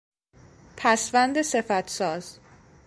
پسوند صفتساز